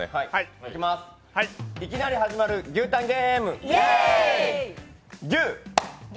いきなり始まる牛タンゲーム、イエーイ！